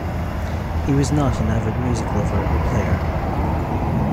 He was not an avid music lover or player.